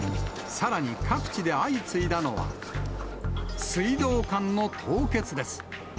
さらに各地で相次いだのは、水道管の凍結です。